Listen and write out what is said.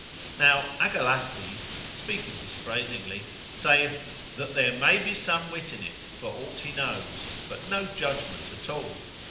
Now, Agalastes (speaking dispraisingly) sayeth, That there may be some wit in it, for aught he knows——but no judgment at all.